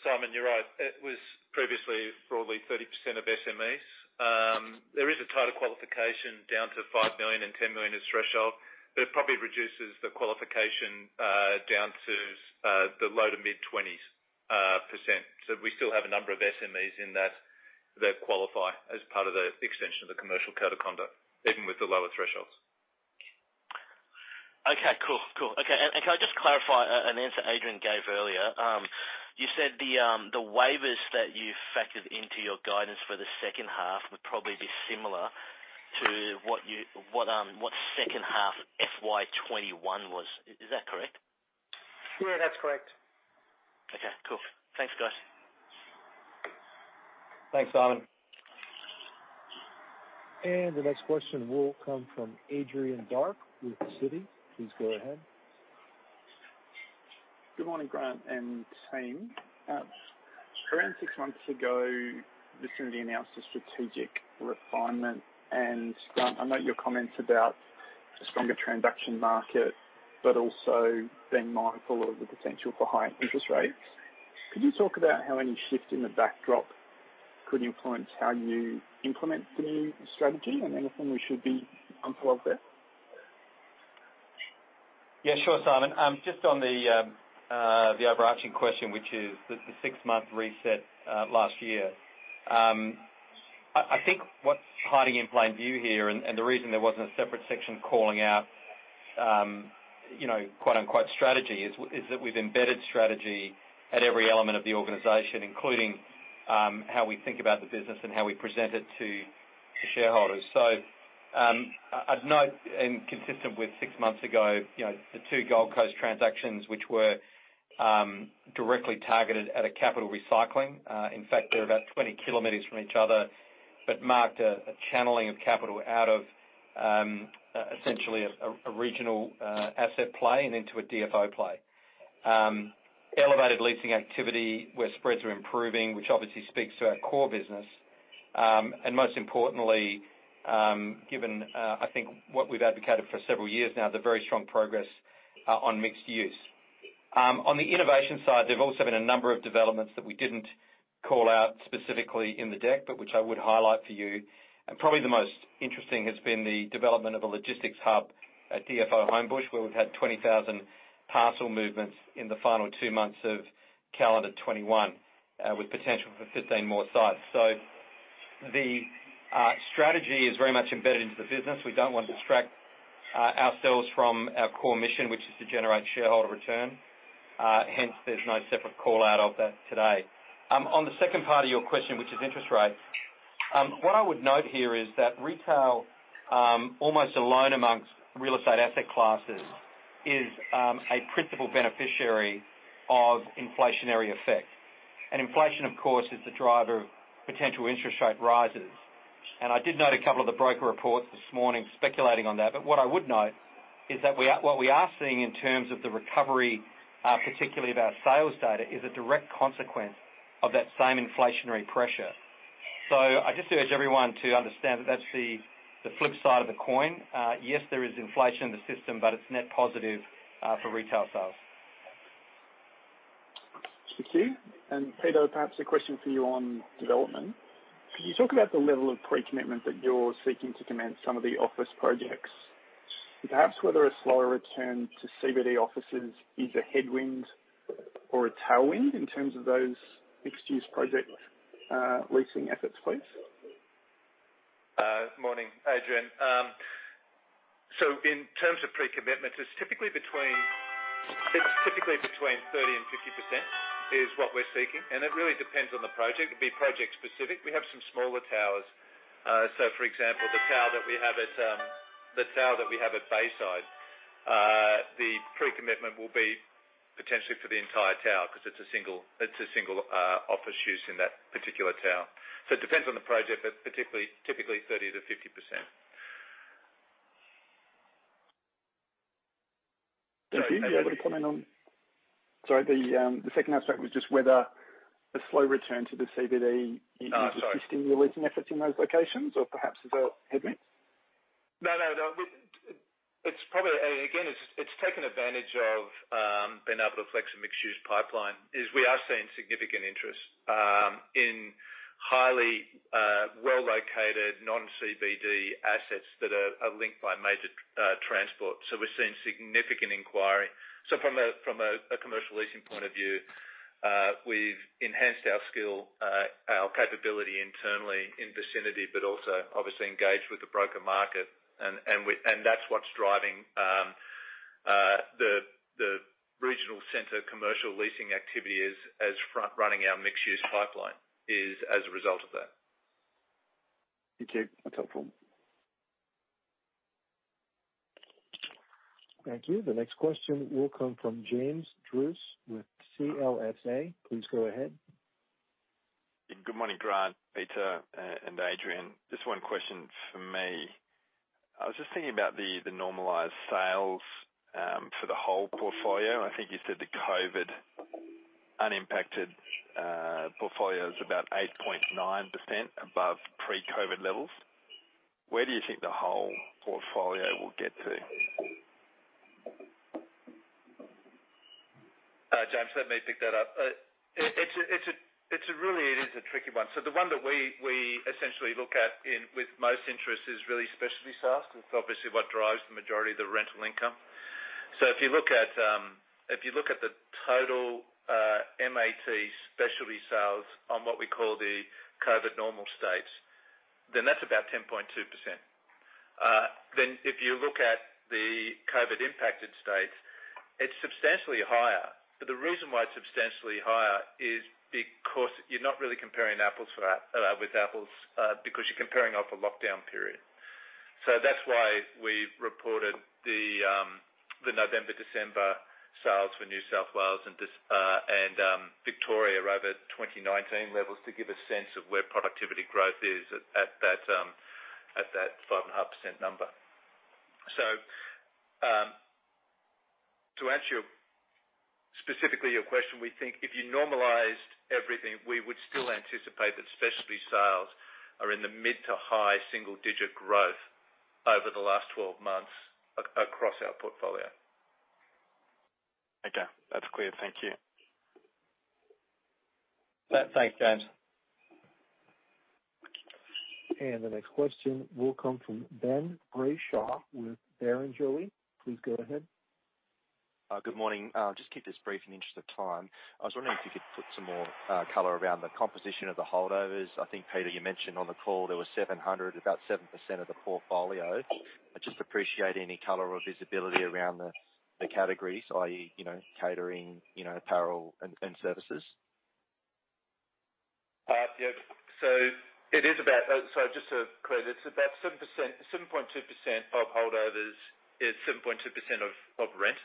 Simon, you're right. It was previously broadly 30% of SMEs. There is a tighter qualification down to 5 million and 10 million as threshold, but it probably reduces the qualification down to the low- to mid-20s%. We still have a number of SMEs in that that qualify as part of the extension of the commercial code of conduct, even with the lower thresholds. Okay, cool. Okay. Can I just clarify an answer Adrian gave earlier? You said the waivers that you factored into your guidance for the second half would probably be similar to what second half FY 2021 was. Is that correct? Yeah, that's correct. Okay, cool. Thanks, guys. Thanks, Simon. The next question will come from Adrian Dark with Citi. Please go ahead. Good morning, Grant and team. Around six months ago, Vicinity announced a strategic refinement, I note your comments about a stronger transaction market, but also being mindful of the potential for higher interest rates. Could you talk about how any shift in the backdrop could influence how you implement the new strategy and anything we should watch out for there? Yeah, sure, Simon. Just on the overarching question, which is the six-month reset last year. I think what's hiding in plain view here, and the reason there wasn't a separate section calling out, you know, quote-unquote, strategy is that we've embedded strategy at every element of the organization, including how we think about the business and how we present it to shareholders. I'd note, and consistent with six months ago, you know, the two Gold Coast transactions, which were directly targeted at a capital recycling. In fact, they're about 20 km from each other, but marked a channeling of capital out of essentially a regional asset play and into a DFO play. Elevated leasing activity where spreads are improving, which obviously speaks to our core business. Most importantly, given, I think what we've advocated for several years now, the very strong progress on mixed-use. On the innovation side, there's also been a number of developments that we didn't call out specifically in the deck, but which I would highlight for you. Probably the most interesting has been the development of a logistics hub at DFO Homebush, where we've had 20,000 parcel movements in the final two months of calendar 2021, with potential for 15 more sites. The strategy is very much embedded into the business. We don't want to distract ourselves from our core mission, which is to generate shareholder return. Hence, there's no separate call-out of that today. On the second part of your question, which is interest rates. What I would note here is that retail, almost alone among real estate asset classes, is a principal beneficiary of inflationary effects. Inflation, of course, is the driver of potential interest rate rises. I did note a couple of the broker reports this morning speculating on that. What I would note is that what we are seeing in terms of the recovery, particularly of our sales data, is a direct consequence of that same inflationary pressure. I just urge everyone to understand that that's the flip side of the coin. Yes, there is inflation in the system, but it's net positive for retail sales. Thank you. Peter, perhaps a question for you on development. Can you talk about the level of pre-commitment that you're seeking to commence some of the office projects, and perhaps whether a slower return to CBD offices is a headwind or a tailwind in terms of those mixed-use project, leasing assets, please? Morning, Adrian. In terms of pre-commitment, it's typically between 30% and 50% is what we're seeking, and it really depends on the project. It'd be project-specific. We have some smaller towers. For example, the tower that we have at Bayside, the pre-commitment will be potentially for the entire tower 'cause it's a single office use in that particular tower. It depends on the project, but particularly, typically 30%-50%. Thank you. Sorry, the second aspect was just whether a slow return to the CBD. Oh, sorry. Is stimulating efforts in those locations or perhaps is a headwind? No, no. It's probably again it's taken advantage of being able to flex a mixed-use pipeline. We are seeing significant interest in highly well-located non-CBD assets that are linked by major transport. We're seeing significant inquiry. From a commercial leasing point of view, we've enhanced our skill, our capability internally in Vicinity, but also obviously engaged with the broker market and we. That's what's driving the regional center commercial leasing activity as front-running our mixed-use pipeline as a result of that. Thank you. That's helpful. Thank you. The next question will come from James Druce with CLSA. Please go ahead. Good morning, Grant, Peter, and Adrian. Just one question from me. I was just thinking about the normalized sales for the whole portfolio. I think you said the COVID unimpacted portfolio is about 8.9% above pre-COVID levels. Where do you think the whole portfolio will get to? James, let me pick that up. It's a really tricky one. The one that we essentially look at with most interest is really specialty sales. It's obviously what drives the majority of the rental income. If you look at the total MAT specialty sales on what we call the COVID normal states, then that's about 10.2%. If you look at the COVID impacted states, it's substantially higher. The reason why it's substantially higher is because you're not really comparing apples with apples, because you're comparing off a lockdown period. That's why we've reported the November, December sales for New South Wales and Victoria over 2019 levels to give a sense of where productivity growth is at that 5.5% number. To answer specifically your question, we think if you normalized everything, we would still anticipate that specialty sales are in the mid- to high single-digit growth over the last 12 months across our portfolio. Okay. That's clear. Thank you. Thanks, James. The next question will come from Ben [Brayshaw] with Barrenjoey. Please go ahead. Good morning. I'll just keep this brief in the interest of time. I was wondering if you could put some more color around the composition of the holdovers. I think, Peter, you mentioned on the call there were 700, about 7% of the portfolio. I'd just appreciate any color or visibility around the categories, i.e., you know, catering, you know, apparel and services. Just to clear this, about 7%, 7.2% of holdovers is 7.2% of rent.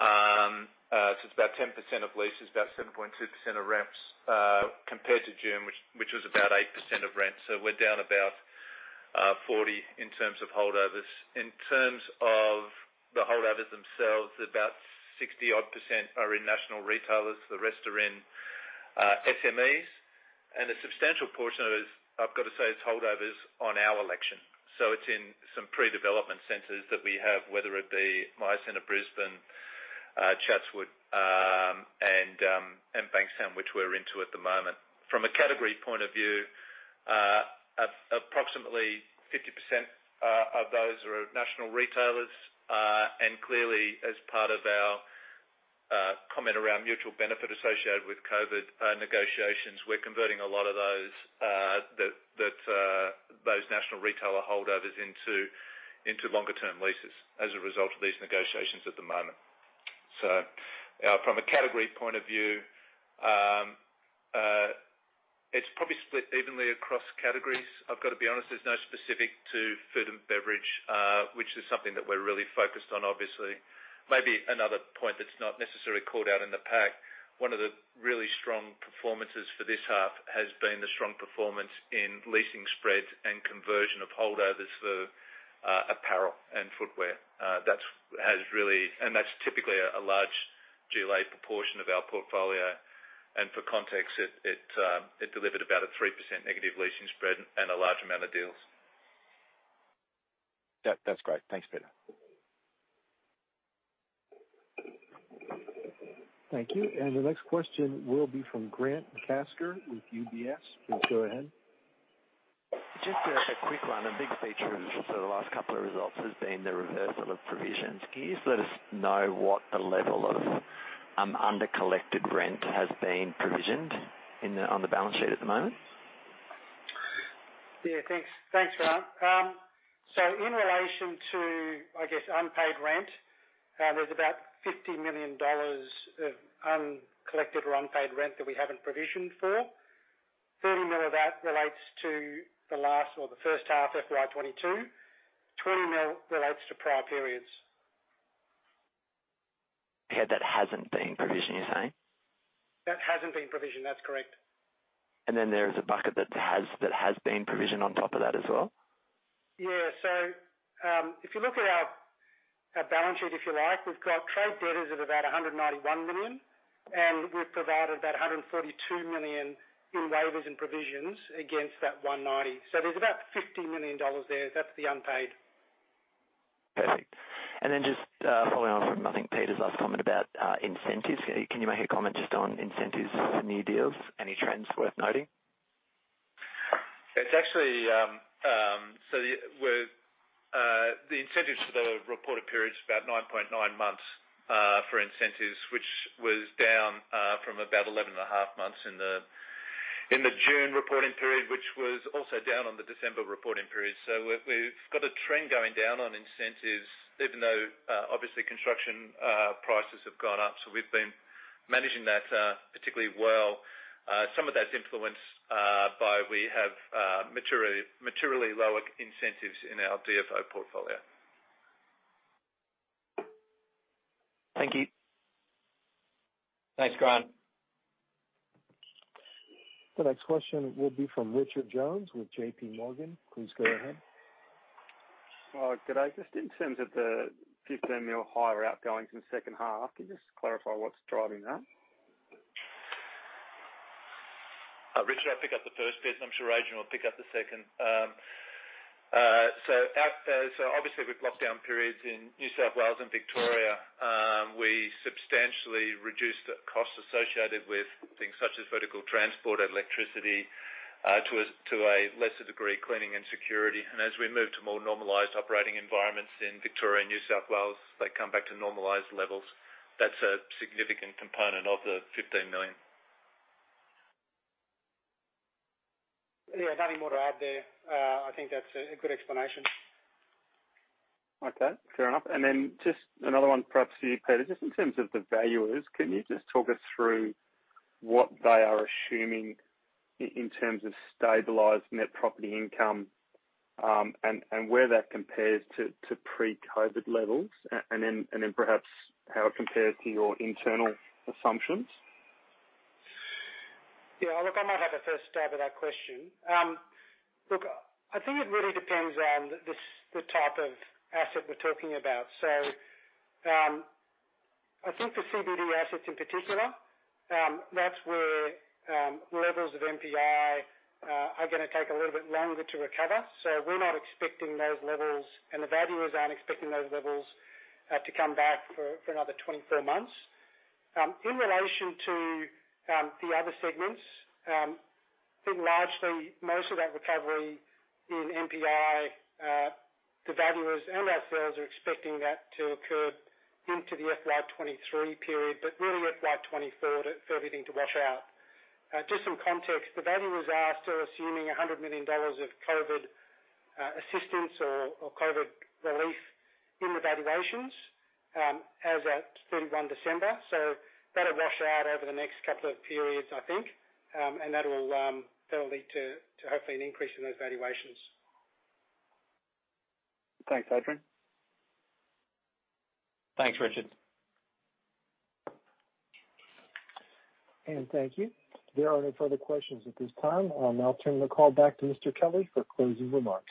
It's about 10% of leases, about 7.2% of rents, compared to June, which was about 8% of rent. We're down about 40% in terms of holdovers. In terms of the holdovers themselves, about 60-odd% are in national retailers. The rest are in SMEs. A substantial portion of those, I've got to say, is holdovers on our existing. It's in some pre-development centers that we have, whether it be Myer Centre Brisbane, Chatswood, and Bankstown, which we're into at the moment. From a category point of view, approximately 50% of those are national retailers. Clearly, as part of our comment around mutual benefit associated with COVID negotiations, we're converting a lot of those retailer holdovers into longer term leases as a result of these negotiations at the moment. From a category point of view, it's probably split evenly across categories. I've got to be honest, there's no specific to food and beverage, which is something that we're really focused on, obviously. Maybe another point that's not necessarily called out in the pack. One of the really strong performances for this half has been the strong performance in leasing spreads and conversion of holdovers for apparel and footwear. That's typically a large GLA proportion of our portfolio. For context, it delivered about a 3% negative leasing spread and a large amount of deals. That's great. Thanks, Peter. Thank you. The next question will be from Grant McCasker with UBS. Please go ahead. Just a quick one. A big feature for the last couple of results has been the reversal of provisions. Can you just let us know what the level of under collected rent has been provisioned on the balance sheet at the moment? Yeah, thanks. Thanks, Grant. In relation to, I guess, unpaid rent, there's about 50 million dollars of uncollected or unpaid rent that we haven't provisioned for. 30 million of that relates to the latter or the first half FY 2022, 20 million relates to prior periods. Okay. That hasn't been provisioned, you're saying? That hasn't been provisioned. That's correct. There's a bucket that has been provisioned on top of that as well? If you look at our balance sheet, if you like, we've got trade debtors of about 191 million, and we've provided about 142 million in waivers and provisions against that 191. There's about 50 million dollars there. That's the unpaid. Perfect. Just following on from, I think, Peter's last comment about incentives. Can you make a comment just on incentives for new deals? Any trends worth noting? It's actually the incentives for the reported period is about 9.9 months for incentives, which was down from about 11.5 months in the June reporting period, which was also down on the December reporting period. We've got a trend going down on incentives, even though obviously construction prices have gone up. We've been managing that particularly well. Some of that's influenced by we have materially lower incentives in our DFO portfolio. Thank you. Thanks, Grant. The next question will be from Richard Jones with JPMorgan. Please go ahead. Good day. Just in terms of the 15 million higher outgoings in the second half, can you just clarify what's driving that? Richard, I'll pick up the first bit, and I'm sure Adrian will pick up the second. Obviously with lockdown periods in New South Wales and Victoria, we substantially reduced the costs associated with things such as vertical transport, electricity, to a lesser degree, cleaning and security. As we move to more normalized operating environments in Victoria and New South Wales, they come back to normalized levels. That's a significant component of the 15 million. Yeah. Nothing more to add there. I think that's a good explanation. Okay, fair enough. Just another one, perhaps for you, Peter. Just in terms of the valuers, can you just talk us through what they are assuming in terms of stabilized net property income, and where that compares to pre-COVID levels? Perhaps how it compares to your internal assumptions. Yeah. Look, I might have a first stab at that question. Look, I think it really depends on the type of asset we're talking about. I think the CBD assets in particular, that's where levels of NPI are gonna take a little bit longer to recover. We're not expecting those levels, and the valuers aren't expecting those levels to come back for another 24 months. In relation to the other segments, I think largely most of that recovery in NPI the valuers and ourselves are expecting that to occur into the FY 2023 period, but really FY 2024 for everything to wash out. Just some context, the valuers are still assuming 100 million dollars of COVID assistance or COVID relief in the valuations as at 31 December. That'll wash out over the next couple of periods, I think. That'll lead to hopefully an increase in those valuations. Thanks, Adrian. Thanks, Richard. Thank you. There aren't any further questions at this time. I'll now turn the call back to Mr. Kelley for closing remarks.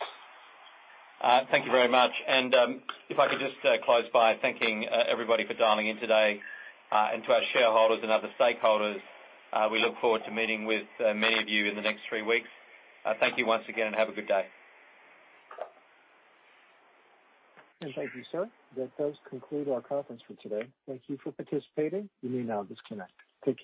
Thank you very much. If I could just close by thanking everybody for dialing in today. To our shareholders and other stakeholders, we look forward to meeting with many of you in the next three weeks. Thank you once again, and have a good day. Thank you, sir. That does conclude our conference for today. Thank you for participating. You may now disconnect. Take care.